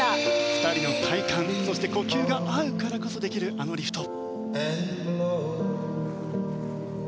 ２人の体感、呼吸が合うからこそできるあのリフト。